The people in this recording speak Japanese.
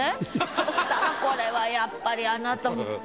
そしたらこれはやっぱりあなた。